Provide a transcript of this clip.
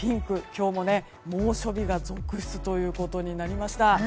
今日も猛暑日が続出ということになりました。